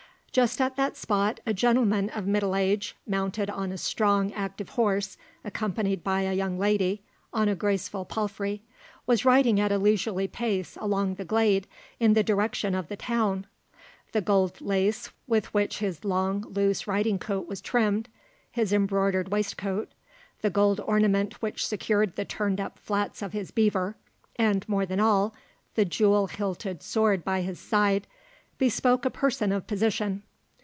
Just at that spot a gentleman of middle age, mounted on a strong, active horse, accompanied by a young lady on a graceful palfrey, was riding at a leisurely pace along the glade in the direction of the town. The gold lace with which his long, loose riding coat was trimmed, his embroidered waistcoat, the gold ornament which secured the turned up flaps of his beaver, and more than all, the jewel hilted sword by his side, bespoke a person of position.